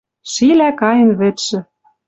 Шилӓ кайын вӹдшӹ.